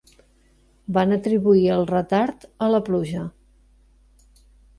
Van atribuir el retard a la pluja.